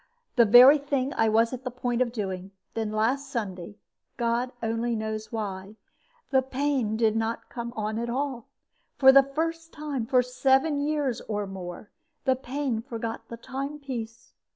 "The very thing I was at the point of doing. Then last Sunday, God alone knows why, the pain did not come on at all. For the first time for seven years or more the pain forgot the time piece.